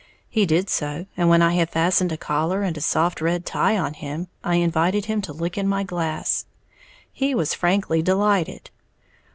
He did so, and when I had fastened a collar and a soft red tie on him, I invited him to look in my glass. He was frankly delighted.